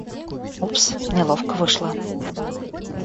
Упс, неловко вышло.